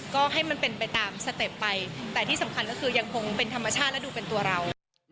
ก็ให้มันเป็นไปตามสเต็ปไปแต่ที่สำคัญก็คือยังคงเป็นธรรมชาติและดูเป็นตัวเรา